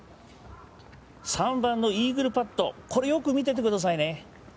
３番のイーグルパット、これよく見ててくださいね。